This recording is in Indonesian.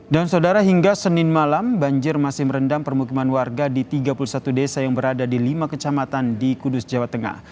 dan saudara hingga senin malam banjir masih merendam permukiman warga di tiga puluh satu desa yang berada di lima kecamatan di kudus jawa tengah